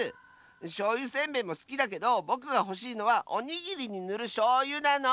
しょうゆせんべいもすきだけどぼくがほしいのはおにぎりにぬるしょうゆなの！